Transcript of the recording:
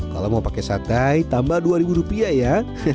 kalau mau pakai satai tambah dua rupiah ya